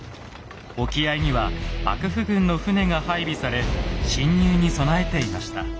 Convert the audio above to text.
沖合には幕府軍の船が配備され侵入に備えていました。